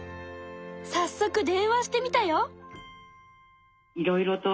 さっそく電話してみたよ。